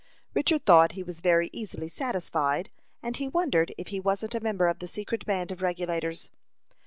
Richard thought he was very easily satisfied, and he wondered if he wasn't a member of the secret band of Regulators.